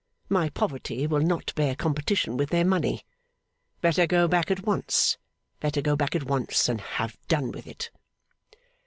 My poverty will not bear competition with their money. Better go back at once, better go back at once, and have done with it!